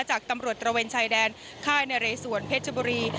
จากตำรวจตระเวนชายแดนค่ายนเรสวนเพชรบุรี